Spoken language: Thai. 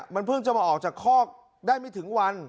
มันเพิ่งจะมาออกจากคอกได้ไม่ถึงวัน